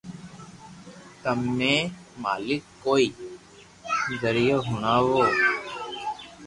تمي مالڪ ڪوئي زريعو ھڻاوہ